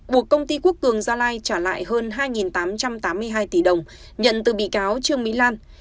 buộc công ty quốc cường gia lai trả lại hơn hai tám trăm tám mươi hai tỷ đồng nhận từ bị cáo trương mỹ lan